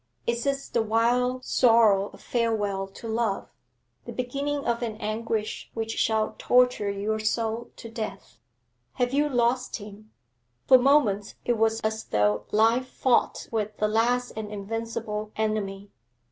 Is this the wild sorrow of farewell to love, the beginning of an anguish which shall torture your soul to death? Have you lost him?' For moments it was as though life fought with the last and invincible enemy.